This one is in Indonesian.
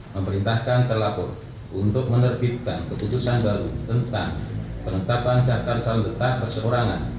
tiga pemerintah akan terlapor untuk menerbitkan keputusan baru tentang penetapan daftar calon tetap berseorangan